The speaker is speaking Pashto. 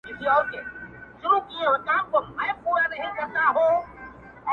هسي نه چي دا یو ته په زړه خوږمن یې؛